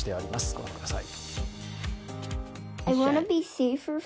御覧ください。